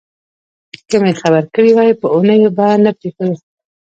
که مې خبر کړي وای په اوونیو به نه پرېښودو.